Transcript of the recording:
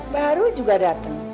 baru juga dateng